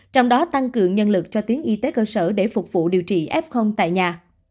trong đó tăng cường nhân lực cho tuyến y tế cơ sở để phục vụ điều trị f tại nhà